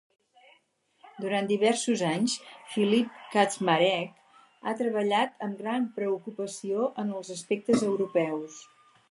Durant diversos anys, Filip Kaczmarek ha treballat amb gran preocupació en els aspectes europeus.